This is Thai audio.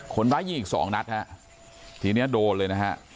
คนร้ายยิงอีกสองนัดฮะทีนี้โดนเลยนะฮะ